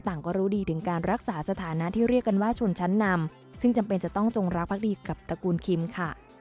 ก็รู้ดีถึงการรักษาสถานะที่เรียกกันว่าชนชั้นนำซึ่งจำเป็นจะต้องจงรักภักดีกับตระกูลคิมค่ะ